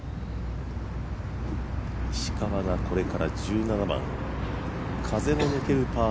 石川がこれから１７番、風の抜けるパー